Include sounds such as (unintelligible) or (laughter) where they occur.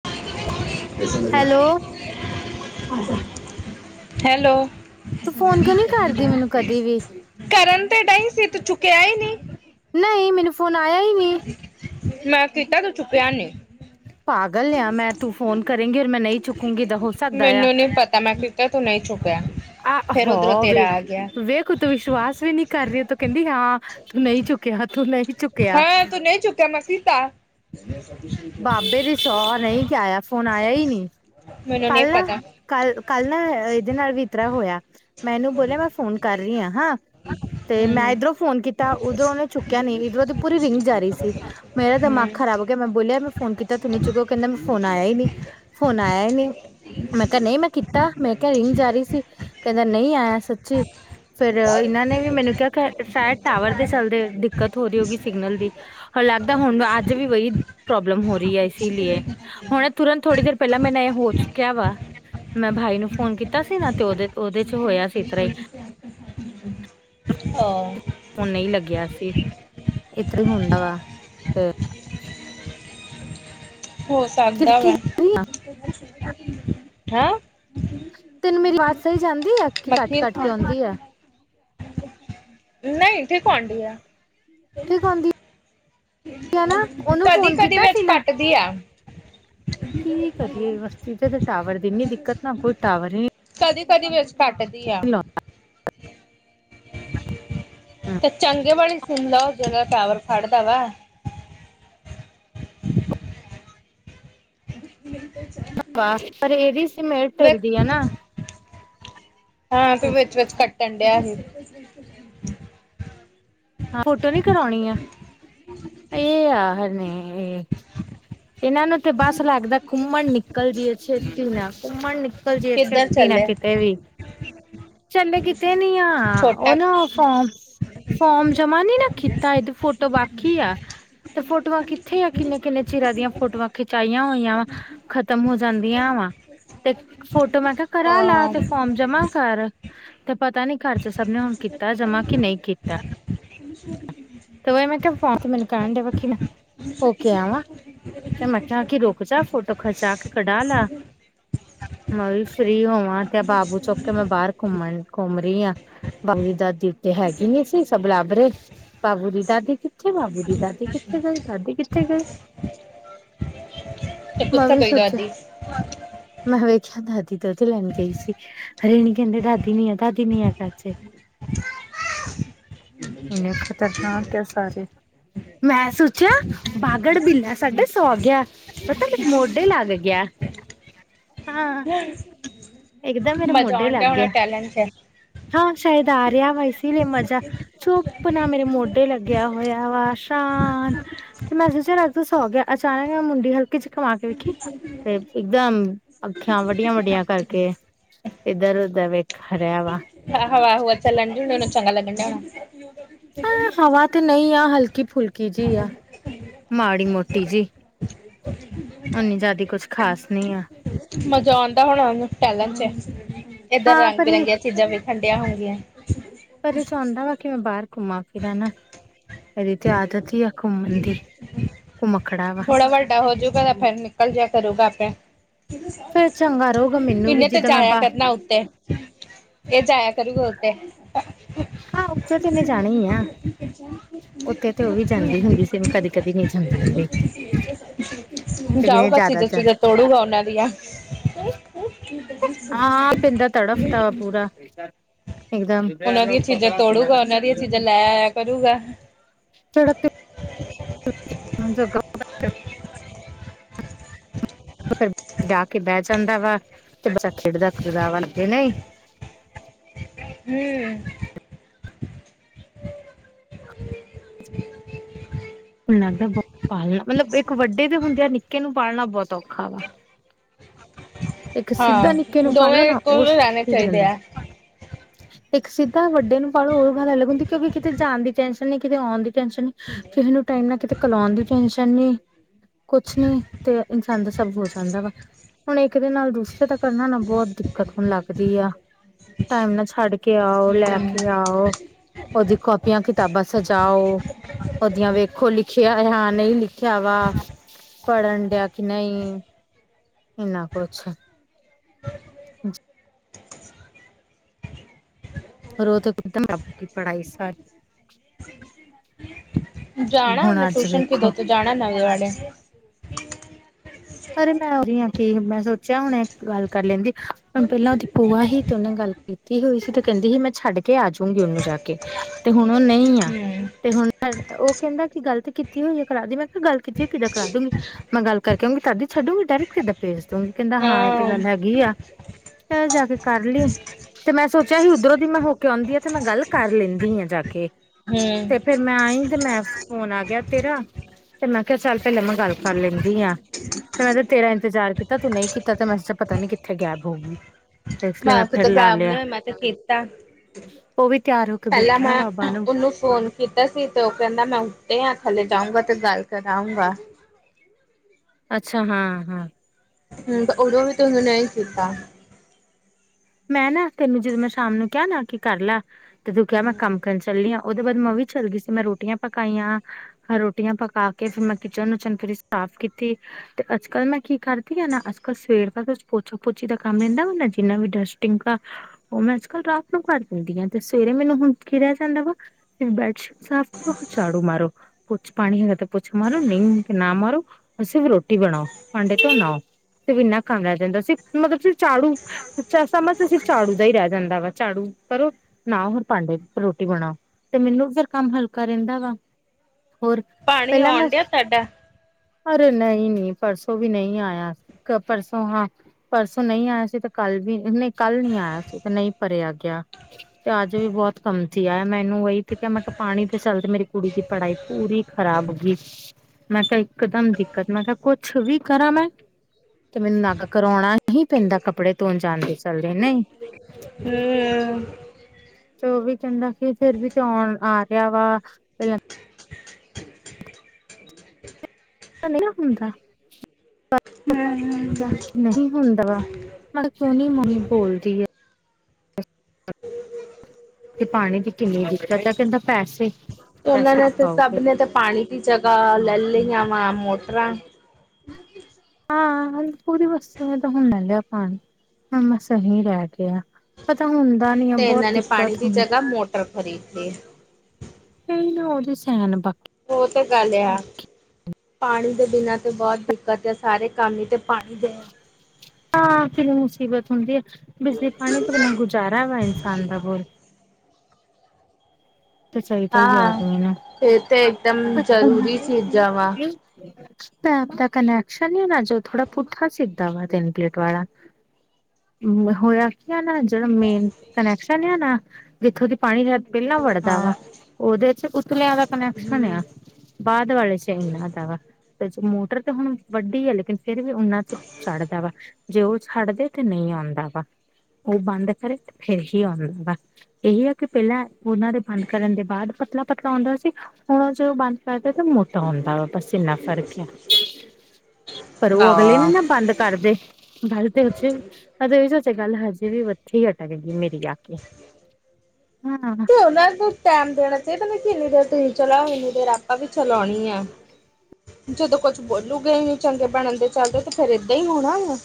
(inaudible) ਕੈਸਾ ਲਗਾ? Hello, hello. ਤੂੰ ਫੋਨ ਕਿਉਂ ਨੀ ਕਰਦੀ ਮੈਨੂੰ ਕਦੀ ਵੀ। ਕਰਨ ਤੇ ਡਈ ਸੀ ਤੂੰ ਚੁੱਕਿਆ ਈ ਨੀ। ਨਈ ਮਿਨੂੰ ਫੋਨ ਆਇਆ ਨਹੀਂ। ਮੈਂ ਕੀਤਾ ਤੂੰ ਚੁੱਕਿਆ ਨੀ। ਪਾਗਲ ਐਆਂ ਮੈਂ ਤੂੰ ਫੋਨ ਕਰੇਗੀ ਔਰ ਮੈਂ ਨਈ ਚੁੱਕੂੰਗੀ। ਏਦਾਂ ਹੋ ਸਕਦਾ ਆ। ਮਿਨ ਪਤਾ ਮੈਂ ਵੀ ਪਤਾ ਤੂੰ ਨਈ ਚੁਕਿਆ। ਆਹ ਹ ਵੇਖ ਵੇਖ ਤੂੰ ਵਿਸ਼ਵਾਸ ਵੀ ਨੀ ਕਰ ਰੀ, ਉਤੋਂ ਕੈਂਦੀ ਹਾਂ ਤੂੰ ਨਈ ਚੁੱਕਿਆ, ਤੂੰ ਨਈ ਚੁੱਕਿਆ। ਹਾਂ (unintelligible) ਬਾਬੇ ਦੀ ਸੌ ਨਹੀਂ ਕਿ ਆਇਆ ਫੋਨ ਆਇਆ ਹੀ ਨਹੀਂ ਮੈਨੂੰ ਨੀ ਕੱਲ ਨਾ ਪਤਾ। ਕੱਲ ਕੱਲ ਨਾ ਏਦੇ ਨਾਲ ਵੀ ਈਤਰਾ ਹੋਇਆ, ਮੈਂ ਏ ਨੂੰ ਬੋਲਿਆ ਮੈਂ ਫੋਨ ਕਰ ਰੀ ਆਂ ਹਾਂ। ਤੇ ਮੈਂ ਹਮ ਏਧਰੋਂ ਫੋਨ ਕੀਤਾ ਓਧਰੋਂ ਓਨੇ ਚੁੱਕਿਆ ਨੀ, ਈਧਰੋਂ ਦੀ ਪੂਰੀ ਰਿੰਗ ਜਾ ਰੀ ਸੀ। ਮੇਰਾ ਦਮਾਗ਼ ਹਮ ਖਰਾਬ ਹੋ ਗਿਆ ਮੈਂ ਬੋਲਿਆ ਮੈਂ ਫੋਨ ਕੀਤਾ ਤੂੰ ਨੀ ਚੁੱਕੋ, ਓ ਕੈਂਦਾ ਮ ਫੋਨ ਆਇਆ ਈ ਨੀ, ਫੋਨ ਆਇਆ ਈ ਨੀ। ਮੈਂ ਕਿਆ ਨਈ ਮੈਂ ਕੀਤਾ, ਮੈਂ ਕਿਆ ਰਿੰਗ ਜਾ ਰੀ ਸੀ। ਕੈਂਦਾ ਨਈ ਆਇਆ ਸੱਚੀ। ਫੇਰ ਏਨਾਂ ਨੇ ਵੀ ਮੈਨੂੰ ਕਿਆ ਕਰ ਸ਼ੈਦ ਟਾਵਰ ਦੇ ਚੱਲਦੇ ਦਿੱਕਤ ਹੋ ਰੀ ਹੋਉਗੀ ਸਿਗਨਲ ਦੀ। ਹੁਣ ਲੱਗਦਾ ਹੁਣ ਅੱਜ ਵੀ ਵਈ ਪ੍ਰੋਬਲਮ ਹੋ ਰੀ ਐ, ਇਸੀ ਲੀਏ ਹੁਣੇ ਤੁਰੰਤ ਥੋੜੀ ਦੇਰ ਪੈਲਾਂ ਮੈਨੇ ਨਾਲ ਏ ਹੋ ਚੁੱਕਿਆ ਵਾ। ਮੈਂ ਬਾਈ ਨੂੰ ਫੋਨ ਕੀਤਾ ਸੀ ਨਾ ਤੇ ਓਦੇ (unintelligible) ਹੁਣ ਨਈ ਲੱਗਿਆ ਸੀ, ਏਤਰਾਂ ਈ ਹੁੰਦਾ ਵਾ। ਤੇ ਹੋ ਸਕਦਾ ਖਿੜਕੀ ਵਾ। ਹੈਂ ਤੈਨੂੰ ਮੇਰੀ ਆਵਾਜ ਸਈ ਜਾਂਦੀ ਆ, ਕਿ ਕੱਟ ਕੱਟ ਕੇ ਆਉਂਦੀ ਆ। ਨਈ ਠੀਕ ਓਣ ਡੀ ਆ। ਠੀਕ ਆਉੰਦੀ ਆ ਨਾ, ਓਨੂੰ ਫੋਨ ਕੀਤਾ ਸੀ ਨਾ। ਕੀ ਆ। ਕੀ ਕਰੀਏ ਬਸਤੀ 'ਚ ਟਾਵਰ ਦੀ ਇੰਨੀ ਦਿੱਕਤ ਨਾ ਕੋਈ ਟਾਵਰ ਈ ਨੀਂ ਕਦੀ ਕਦੀ ਵਿੱਚ ਕੱਟਦੀ ਆ। ਲਾਉਂਦਾ ਤੇ ਚੰਗੇ ਵਾਲੀ ਸੁਨ ਲਓ ਜਗਾ ਟਾਵਰ ਫੜਦਾ ਵਾ। (inaudible) (unintelligible) ਵੇਖ (unintelligible) ਹੈਂ ਤੇ ਵਿੱਚ ਵਿਚ ਹਾਂ ਕੱਟਣ ਡਿਆ ਹੀ। ਹਾਂ ਫੋਟੋ ਨੀ ਕਰਾਉਣੀ ਆ। ਏ ਆਹਰ ਨੇ ਏ। ਏਨਾਂ ਨੂੰ ਤੇ ਬਸ ਲੱਗਦਾ ਘੁੰਮਣ ਨਿਕਲ ਜੀਏ ਛੇਤੀ ਨਾਲ ਘੁੰਮਣ ਨਿਕ ਨਿਕਲ ਜੀਏ ਕਿੱਧਰ ਛੇਤੀ ਨਾ ਚੱਲੇ ਕਿਤੇ ਵੀ। ਚੱਲੇ ਕਿਤੇ ਨੀ ਆ ਓ ਨਾ ਓ ਫੋਮ ਫੋਮ ਜਮਾ ਨੀ ਨਾ ਕੀਤਾ ਏ ਫੋਟੋ ਬਾਕ (inaudible) ਤੇ ਫੋਟੋਆਂ ਕਿੱਥੇ ਆ ਕਿੰਨੇ ਕਿੰਨੇ ਚਿਰਾਂ ਦੀਆਂ ਫੋਟੋਆਂ ਖਿਚਾਈਆਂ ਹੋਈਆਂ ਵਾ। ਖ਼ਤਮ ਹੋ ਜਾਂਦੀਆਂ ਵਾ ਤੇ ਫੋਟੋ ਮੈਂ ਕਿਆ ਕਰਾ ਲਾ ਤੇ ਫੋਰਮ ਜਮਾ ਕਰ, ਤੇ ਪਤਾ ਨੀ ਘਰ ਚ ਸਭ ਨੇ ਹੁਣ ਕੀਤਾ ਜਮਾ ਕੀ ਨਹੀਂ ਕੀਤਾ ਤੇ ਮੈਂ ਕਿਹਾ ਫੋਮ ਤੇ ਮੈਨੂੰ ਕਹਿਣ ਡਏ ਬਾਕੀ ਮੈਂ ਹੋ ਕੇ ਆਵਾਂ ਤੇ ਮੈਂ ਕਿਹਾ ਕਿ ਰੁਕ ਜਾ ਫੋਟੋ ਖਚਾ ਕੇ ਕੱਢਾ ਲਾ ਮੈਂ ਵੀ ਫ੍ਰਰੀ ਹੋਵਾਂ ਤੇ ਬਾਬੂ ਚੁੱਕ ਕੇ ਮੈਂ ਬਾਹਰ ਘੁੰਮਣ ਘੁੰਮ ਰਹੀ ਹਾਂ ਬਾਬੂ ਦੀ ਦਾਦੀ ਉੱਤੇ ਹੈਗੀ ਨਈ ਸੀ ਸਭ ਲੱਭ ਰਹੇ ਬਾਬੂ ਦੀ ਦਾਦੀ ਕਿੱਥੇ ਬਾਬੂ ਦੀ ਦਾਦੀ ਕਿੱਥੇ ਗਈ ਦਾਦੀ ਕਿੱਥੇ ਗਈ ਮੈਂ ਵੀ ਸੋਚਿਆ ਮੈਂ ਵੇਖਿਆ ਦਾਦੀ ਤਾਂ ਦੁੱਧ ਲੈਣ ਗਈ ਸੀ ਹਰੇਣੀ ਕਹਿੰਦੇ ਦਾਦੀ ਨੀ ਆ ਦਾਦੀ ਨੀ ਹੈ ਘਰ ਚੇ ਇਹਨੇ ਖ਼ਤਰਨਾਕ ਏ ਸਾਰੇ ਮੈਂ ਸੋਚਿਆ ਬਾਗੜ ਬਿੱਲਾ ਸਾਡਾ ਸੌ ਗਿਆ ਪਤਾ ਕੀ ਨੀ ਮੋਡੇ ਲੱਗ ਗਿਆ ਹਾਂ (unintelligible) ਇੱਕ ਦਮ ਮੇਰੇ ਮਜ਼ਾ ਮੋਢੇ ਆਉਂਦਾ ਲੱਗ ਹੋਣਾ ਗਿਆ ਟੈਲੈਂਟ 'ਚ ਹਾਂ ਸ਼ਾਇਦ ਆ ਰਿਹਾ ਵਾ ਇਸ ਲੀਏ ਮਜ਼ਾ ਇਸ ਲਈ ਚੁੱਪ ਨਾ ਮੇਰੇ ਮੋਢ ਮੌਢੇ ਲੱਗਿਆ ਹੋਇਆ ਵਾ ਸ਼ਾਂਤ ਤੇ ਮੈਂ ਸੋਚਿਆ ਲਗਦਾ ਸੌ ਗਿਆ ਅਚਾਨਕ ਆ ਮੁੰਡੀ ਹਲਕੇ ਚ ਕਮਾ ਕੇ ਵੇਖੀ ਤੇ ਇਕਦਮ ਅੱਖਾਂ ਵੱਡੀਆਂ ਵੱਡੀਆਂ ਕਰਕੇ ਇਧਰ ਉਧਰ ਵਿਖ ਰਿਆ ਵਾ ਹਵਾ ਹੁਵਾ ਚੱਲਣ ਡ ਉਹਨੂੰ ਚੰਗਾ ਲੱਗਣ ਡਿਆ ਹੋਣਾ ਹਵਾ ਤੇ ਨਹੀਂ ਆ ਹਲਕੀ ਫੁਲਕੀ ਜਿ ਆ ਮਾੜੀ ਮੋਟੀ ਜਿਹੀ (inaudible) ਉਨੀ ਜ਼ਿਆਦੀ ਕੁਛ ਖ਼ਾਸ ਨਹੀਂ ਆ ਮਜ਼ਾ ਆਉਂਦਾ ਹੋਣਾ ਓਹਨੂੰ ਟਹਿਲਣ 'ਚ ਇਦਾ ਹਾਂ ਰੰਗ ਪਰ ਇਹ ਬਰੰਗੀਆਂ ਚੀਜ਼ਾਂ ਦੇਖਣ ਡਿਆ ਹੋਣ ਗੀਆ। ਪਰ ਇਹ ਚਾਹੁੰਦਾ ਵਾ ਕਿ ਮੈਂ ਬਾਹਰ ਘੁੰਮਾਂ ਫਿਰਾਂ ਨਾ। ਇਹਦੀ ਤੇ ਆਦਤ ਹੀ ਆ ਘੁਮਣ ਦੀ। ਘੁੰਮਖੜਾ ਵਾ ਥੋੜਾ ਵੱਡਾ ਹੋਜੂਗਾ ਤੇ ਫਿਰ ਨਿਕਲ ਜਿਆ ਕਰੂਗਾ ਆਪੇ। ਫੇਰ ਚੰਗਾ ਰਹੂਗਾ (unintelligible) ਮੈਨੂੰ ਵੀ ਇਨੇ ਤੇ ਜਿੱਦਾਂ ਮੈਂ ਜਾਇਆ ਬਾਹਰ ਕਰਨਾ ਉੱਤੇ। (unintelligible) ਇਹ ਜਾਇਆ ਕਰੂਗਾ ਉੱਤੇ। ਹਾਂ, ਉੱਤੇ ਤੇ ਮੈਂ ਜਾਣਾ ਈ ਆ ‌, ਉੱਤੇ ਤੇ ਉਹ ਵੀ ਜਾਂਦੀ ਹੁੰਦੀ ਸੀ। ਕਦੇ ਕਦੀ ਨੀ ਜਾਂ (unintelligible) ਤੇ ਕਿਤੇ ਜਾਊਗਾ ਜ਼ਿਆਦਾ ਚੀਜ਼ਾਂ ਜਾ -ਚੂਜ਼ਾਂ ਤੋੜੂਗਾ, ਉਨਾਂ ਦੀਆਂ। ਆ -ਆ -ਆ ਪਿੰਦਾ ਤੜਫ ਦਾ ਪੂਰਾ। (unintelligible) ਇਕਦਮ ਉਹਨਾਂ ਦੀਆਂ ਚੀਜ਼ਾਂ ਤੋੜੂਗਾ ਉਹਨਾਂ ਦੀਆਂ (unintelligible) ਚੀਜ਼ਾਂ ਲੈ ਆਇਆ ਕਰੂਗਾ ਤੜਫ ਤੇ। (unintelligible) (inaudible) ਤਾਂ ਫੇਰ ਜਾਕੇ ਬਹਿ ਜਾਂਦਾ ਵਾ ਤੇ ਬੱਚਾ ਖੇਡਦਾ ਫਿਰਦਾ ਵਾ ਕੇ ਨਹੀਂ। ਹੂੰ ਹੁਣ ਲੱਗਦਾ ਬਹੁ ਪਾਲਣਾ ਮਤਲਬ ਇੱਕ ਵੱਡੇ ਵੀ ਹੁੰਦੇ ਆ, ਨਿੱਕੇ ਨੂੰ ਪਾਲਣਾ ਬਹੁਤ ਔਖਾ ਵਾ। ਇੱਕ ਸਿੱਧਾ ਨਿੱਕੇ ਹਾਂ, ਨੂੰ ਪਾਲੋ ਦੋਵੇਂ ਨਾ ਇਕੋ ਉਹ ਰਹਿਣੇ ਠੀਕ ਚਾਹੀਦੇ ਰਹਿੰਦਾ ਆ। ਇੱਕ ਸਿੱਧਾ ਵੱਡੇ ਨੂੰ ਪਾਲੋ ਉਹ ਅਲੱਗ ਗੱਲ ਹੁੰਦੀ ਕਿਉਂਕਿ ਕਿਤੇ ਜਾਣ ਦੀ ਟੈਨਸ਼ਨ ਨਹੀਂ, ਕਿਤੇ ਆਉਣ ਦੀ। ਟੈਨਸ਼ਨ ਨੀ, ਕਿਸੇ ਨੂੰ ਟਾਈਮ ਨਾ ਕਿਤੇ ਕਲਾਉਣ ਦੀ ਟੈਨਸ਼ਨ ਨੀ। ਕੁਛ ਨੀ, ਤੇ ਇਨਸਾਨ ਦਾ ਸਭ ਹੋ ਜਾਂਦਾ ਵਾ, ਹੁਣ ਇੱਕ ਦੇ ਨਾਲ ਦੂਸਰੇ ਤੱਕ। ਕਰਨਾ ਨੂੰ ਬਹੁਤ ਦਿੱਕਤ ਹੋਣ ਲੱਗਦੀ ਆ। ਟੈਮ ਨਾਲ ਛੱਡ ਕੇ ਆਓ, ਲੈ ਹਮ ਕੇ ਆਓ, ਓਦੀ ਕੋਪੀਆਂ -ਕਿਤਾਬਾਂ ਸਜਾਓ ਓਦੀਆਂ ਵੇਖੋ, ਲਿਖਿਆ ਵਾ ਨਈ ਲਿਖਿਆ ਵਾ ਪੜ੍ਹਨ ਡਿਆ, ਕਿ ਨਈ ਇਨਾ ਕੁਛ (inaudible) ਅੱਛਾ ਪਰ ਓ ਤੇ ਇੱਕਦਮ ਰੱਬ (unintelligible) ਪੜਾਈ ਸਾਰੀ (inaudible) ਜਾਣਾ ਹੁਣ ਉਹਨੇਂ ਅੱਜ ਟੂਸ਼ਨ ਪੀ ਵੇਖੋ ਦੋ ਤ ਜਾਣਾ ਨਵੇ ਵਡੇ। ਅਰੇ ਮੈਂ ਓਹੀ ਆ ਕੀ ਮੈਂ ਸੋਚਿਆ ਹੁਣੇ ਗੱਲ ਕਰ ਲੈਂਦੀ। ਪਰ ਪਹਿਲਾਂ ਉਹਦੀ ਭੂਆ ਹੀ ਤੁਹਾਨ ਨਾਲ ਗੱਲ ਕੀਤੀ ਹੋਈ ਸੀ ਤੇ ਕਹਿੰਦੀ ਸੀ ਮੈਂ ਛੱਡ ਕੇ ਆ ਜਾਉਂਗੀ ਉਹਨੂੰ ਜਾ ਕੇ ਤੇ ਹੁਣ ਉਹ ਨਹੀਂ ਆ ਤੇ ਹੁਣ ਉਹ ਕਹਿੰਦਾ ਕਿ ਗੱਲ ਤੇ ਕੀਤੀ ਹੋਈ ਆ ਕਰਾ ਦੇ। ਮੈਂ ਕਿਹਾ ਗੱਲ ਕੀਤੀ ਹੋਈ ਕਿੱਦਾਂ ਕਰਾ ਦੂੰਗੀ, ਮੈਂ ਗੱਲ ਕਰਕੇ ਆਉਂਗੀ। ਸਾਡੀ ਛੱਡੂਗੀ ਡਾਇਰੈਕਟ ਕਿੱਦਾਂ ਭੇਜ ਦੂੰਗੀ, ਕੈਂਦਾ ਹਾਂ ਏਹ ਤੇ ਗੱਲ ਹੈਗੀ ਆ। ਤੇ ਜਾ ਕੇ ਕਰ ਲਈਂ। ਤੇ ਮੈਂ ਸੋਚਿਆ ਹੀ ਉੱਧਰੋਂ ਦੀ ਮੈਂ ਹੋ ਕੇ ਆਉਂਦੀ ਆ, ਤੇ ਮੈਂ ਗੱਲ ਕਰ ਲੈਂਦੀ ਹਾਂ ਜਾ ਕੇ ਤੇ ਫਿਰ ਮੈਂ ਆਈ ਤੇ ਮੈਂ ਫੋਨ ਆ ਗਿਆ ਤੇਰਾ ਤੇ ਮੈਂ ਕਿਆ ਚੱਲ ਪਹਿਲਾਂ ਮੈਂ ਗੱਲ ਕਰ ਲੈਂਦੀ ਆਂ। ਤਰ ਤੇਰਾ ਇੰਤਜ਼ਾਰ ਕੀਤਾ, ਤੂੰ ਨਹੀਂ ਕੀਤਾ ਤੇ ਮੈ ਸੋਚਯਾ ਪਤਾ ਨੀ ਕਿੱਥੇ ਗੈਬ ਹੋ ਗਈ। ਤੇ ਇਸ ਮੈਂ ਲਈ ਕਿਤੇ ਫਿਰ ਲਾ ਗੈਬ ਨਈ ਲਿਆ ਹੋਈ ਮੈਂ ਤੇ ਕੀਤਾ। ਉਹ ਵੀ ਤਿਆਰ ਹੋ ਕੇ ਪਹਿਲਾਂ ਬੈਠਾ ਮੈਂ ਵਾ ਬਾਹਰੋਂ ਓਹਨੂੰ ਫੋਨ ਕੀਤਾ ਸੀ ਤੇ ਓਹ ਕਹਿੰਦਾ ਮੈਂ ਉੱਤੇ ਆਂ, ਥੱਲੇ ਜਾਊਂਗਾ ਤੇ ਗੱਲ ਕਰਾਊਂਗਾ। ਅੱਛਾ, ਹਾਂ-ਹਾਂ। ਹੂੰ, ਓਦੋਂ ਵੀ ਤੇ ਓਹਨਾਂ ਨੇ ਐ ਈ ਕੀਤਾ। ਮੈਂ ਨਾ ਤੈਨੂੰ ਜਦੋਂ ਮੈਂ ਸ਼ਾਮ ਨੂੰ ਕਿਹਾ ਨਾ ਕਿ ਕਰ ਲੈ ਤੇ ਤੂੰ ਕਿਹਾ ਮੈਂ ਕੰਮ ਕਰਨ 'ਚ ਚੱਲੀਆਂ ਉਹਦੇ ਬਾਅਦ ਮੈਂ ਵੀ ਚੱਲ ਗਈ ਸੀ। ਮੈਂ ਰੋਟੀਆਂ ਪਕਾਈਆਂ, ਰੋਟੀਆਂ ਪਕਾ ਕੇ ਫਿਰ ਮੈਂ ਕਿਚਨ ਚਨ ਪੂਰੀ ਸਾਫ ਕੀਤੀ। ਤੇ ਅੱਜ-ਕੱਲ ਮੈਂ ਕੀ ਕਰਦੀ ਆਂ ਨਾ ਅੱਜ-ਕੱਲ ਸਵੇਰ ਦਾ ਪੋਛਾ-ਪੋਛੀ ਦਾ ਕੰਮ ਐਨਾ ਹੁੰਨਾ ਜਿੰਨਾ ਵੀ ਡਸ ਟਿੰਗ ਕਾ ਓਹ ਮੈਂ ਅੱਜ-ਕੱਲ ਰਾਤ ਨੂੰ ਕਰ ਦੇਂਦੀ ਆਂ ਤੇ ਸਵੇਰੇ ਮੈਨੂੰ ਹੁਨ ਕੀ ਰਹਿ ਜਾਂਦਾ ਵਾ ਬੇਡਸ਼ੀਟ ਸਾਫ਼ ਕਰੋ, ਝਾੜੂ ਮਾਰੋ, ਪੋਛ ਪਾਣੀ ਹੈਗਾ ਪੁੱਛ ਮਾਰੋ ਨਹੀਂ ਮੂੜ ਤੇ ਨਾ ਮਾਰੋ। ਸਿਰਫ ਰੋਟੀ ਬਣਾਓ, ਭਾਂਡੇ ਧੋਓ ਨਾਓ। ਤੇ ਕਿੰਨਾ ਕੰਮ ਰਹਿ ਜਾਂਦਾ। ਸਿਰਫ ਮਤਲਬ ਸਿਰਫ ਝਾੜੂ ਸਮਜ ਤਾਂ ਸਿਰਫ ਝਾੜੂ ਦਾ ਹੀ ਰਹਿ ਜਾਂਦਾ ਵਾ। ਝਾੜੂ ਕਰੋ ਨਾਓ ਹੁਣ ਭਾਂਡੇ ਰੋਟੀ ਬਣਾਓ। ਤੇ ਮੈਨੂੰ ਫਿਰ ਕੰਮ ਹਲਕਾ ਰਹਿੰਦਾ ਵਾ। ਹੋਰ ਪਾਣੀ ਪਹਿਲਾਂ ਮੈਂ ਆਉਣ ਡਿਆ ਸ ਤੁਹਾਡਾ ਅਰੇ ਨਈ, ਪਰਸੋਂ ਵੀ ਨਈ ਆਇਆ ਕ ਪਰਸੋਂ ਹਾ ਪਰਸੋਂ ਨਹੀ ਆਇਆ ਸੀ ਤੇ ਕੱਲ ਵੀ ਨਈ ਕੱਲ ਨਈ ਆਇਆ ਸੀ ਤੇ ਨਈ ਭਰਿਆ ਗਿਆ। ਤੇ ਅੱਜ ਵੀ ਬਹੁਤ ਕਮਤੀ ਆਯਾ। ਮੈ ਐਨੂੰ ਓਹੀ ਤੇ ਕਿਹਾ ਮੈਂ ਖਾ ਪਾਣੀ ਤੇ ਚਲਦੀ ਮੇਰੀ ਕੁੜੀ ਦੀ ਪੜ੍ਹਾਈ ਪੂਰੀ ਖ਼ਰਾਬ ਗਈ। ਮੈਂ ਕਿਹਾ ਇੱਕ ਦਮ ਦਿਕੱਤ। ਮੈਂ ਕਿਹਾ ਕੁੱਛ ਵੀ ਕਰਾਂ ਮੈਂ ਤੇ ਮੈਨੂੰ ਨਾਗਾ ਕਰਵੋਣਾ ਹੀ ਪੈਂਦੈ ਕੱਪੜੇ ਧੋਣ ਜਾਣਦੇ ਚੱਲਦੀ ਨਈ। (inaudible) ਤੇ ਓਹ ਵੀ ਚੰਗਾ ਕਿ ਫੇਰ ਵੀ ਤੇ ਔਣ ਆ ਗਿਆ ਵਾ। ਪਹਿਲਾਂ ਨਹੀਂ ਹੁੰਦਾ (unintelligible) ਨਹੀਂ ਹੁੰਦਾ ਵਾ। ਮਾੜਾ ਚੁੰਨੀ-ਮੁੰਨੀ ਬੋਲਦੀ ਏ। (unintelligible) ਤੇ ਪਾਣੀ ਦੀ ਕਿੰਨੀ ਦਿੱਕਤ ਐ, ਕਹਿੰਦਾ ਪੈਸੇ ਤੇ ਉਹਨਾਂ ਪੈਸੇ ਨੇ ਤੇ ਖਾਓਗੇ ਸਭ ਨੇ ਤੇ ਪਾਣੀ ਦੀ ਜਗ੍ਹਾ ਲ ਲਈਆਂ ਵਾ ਮੋਟਰਾਂ ਹਾਂ-ਹਾਂ ਪੂਰੀ ਬਸਤੀ ਨੇ ਤਾਂ ਹੁਨ ਲੈ ਲਿਆ ਪਾਣੀ ਹਾਂ, ਬਸ ਅਹੀ ਰਹਿ ਗੇਆਂ, ਪਤਾ ਨੀ ਹੁਨ ਤੇ ਐਹਨਾਂ ਨੇ ਪਾਣੀ ਦੀ ਜਗ੍ਹਾ ਮੋਟਰ ਖਰੀਦੀ ਏ। ਨਹੀਂ ਨੋ ਉਹਦੇ ਸਣ ਬਾਕੀ ਉਹ ਤੇ ਗੱਲ ਆ। ਪਾਣੀ ਦੇ ਬਿਨਾਂ ਤੇ ਬਹੁਤ ਦਿੱਕਤ ਆ ਸਾਰੇ ਕੰਮ ਹੀ ਤੇ ਪਾਣੀ ਦੇ ਆ। ਆ ਫਿਰ ਮੁਸੀਬਤ ਹੁੰਦੀ ਆ। ਬਿਜਲੀ ਪਾਣੀ ਤੋਂ ਬਿਨਾਂ ਗੁਜ਼ਾਰਾ ਵਾ ਇਨਸਾਨ ਦਾ ਬੋਲ ਤੇ ਚਾਹੀਦਾ ਹੀ ਹਾਂ ਆਦਮੀ ਨੂੰ ਇਹ ਤੇ ਇੱਕਦਮ ਬੱਸ ਏਨਾ ਜ਼ਰੂਰੀ ਚੀਜ਼ਾਂ ਵਾ। ਪੈਪ ਦਾ ਕਨੈਕਸ਼ਨ ਨੀ ਜੌ ਥੋੜਾ ਪੁਠਾ ਸਿੱਧਾ ਵਾ ਤਿੰਨ ਪਲੇਟ ਵਾਲਾ ਹਮ ਹੋਇਆ ਕੀ ਆ ਨਾ ਜਿਹੜਾ ਮੇਨ ਕਨੈਕਸ਼ਨ ਹੈ ਨਾ। ਜਿੱਥੋਂ ਦੀ ਪਾਣੀ ਜਦ ਪਹਿਲਾਂ ਵੜਦਾ ਹਾਂ ਵਾ ਉਹਦੇ 'ਚ ਉਤਲਿਆਂ ਦਾ ਕਨੈਕਸ਼ਨ ਆ। ਬਾਅਦ ਵਾਲੇ 'ਚ ਇੰਨਾ ਤਾ ਵਾ ਤੇ ਮੋਟਰ ਤੇ ਹੁਣ ਵੱਡੀ ਹੈ, ਲੇਕਿਨ ਫਿਰ ਵੀ ਉਨਾਂ ਤੇ ਚੜਦਾ ਵਾ ਜੇ ਉਹ ਛੱਡਦੇ ਤੇ ਨਹੀਂ ਆਉਂਦਾ ਵਾ। ਉਹ ਬੰਦ ਕਰੇ ਫੇਰ ਹੀ ਆਉਂਦਾ ਵਾ। ਇਹੀ ਆ ਕਿ ਪਹਿਲਾਂ ਉਹਨਾਂ ਦੇ ਬੰਦ ਕਰਨ ਦੇ ਬਾਦ ਪਤਲਾ-ਪਤਲਾ ਓਂਦਾ ਸੀ। ਹੁਣ ਜੇ ਉਹ ਬੰਦ ਕਰਦੇ ਤੇ ਮੋ ਤਾਂ ਹੁੰਦਾ ਵਾ ਬਸ ਇੰਨਾ ਫ਼ਰਕ ਆ ਪਰ ਉਹ ਅਗਲੇ ਨੀ ਹਾਂ। ਨਾ ਬੰਦ ਕਰਦੇ। ਗੱਲ ਤੇ ਹੱਜੇ ਗੱਲ ਹਜੇ ਵੀ ਉੱਥੇ ਹੀ ਹਟ ਗਈ ਏ ਮੇਰੀ ਆ ਕੇ। ਹਮ। ਉਹਨਾ ਨੂੰ ਟੈਮ ਦੇਣਾ ਚਾਹੀਦਾ। ਇੰਨੀ ਦੇਰ ਤੁਸੀਂ ਚਲਾਓ ਇੰਨੀ ਦੇਰ ਆਪਾਂ ਵੀ ਚਲਾਉਣੀ ਆ। ਜਦੋਂ ਕੁੱਛ ਬੋਲੋਗੇ ਹੀਂ ਚੰਗੇ ਬਣਨ ਦੇ ਚੱਲਦੇ ਤੇ ਫੇਰ ਏਦਾਂ ਈ ਹੋਣਾ ਆ।